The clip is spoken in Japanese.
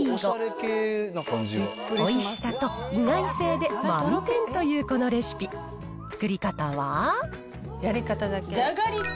美味しさと意外性で満点というこのレシピ作り方は。